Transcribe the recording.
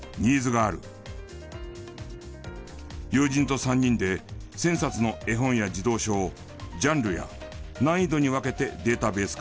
友人と３人で１０００冊の絵本や児童書をジャンルや難易度に分けてデータベース化。